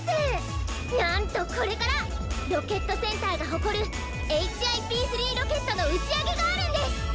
なんとこれからロケットセンターがほこるＨＩＰ−３ロケットのうちあげがあるんです！